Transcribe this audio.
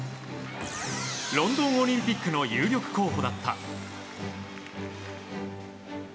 ロンドンオリンピックの有力候補だった。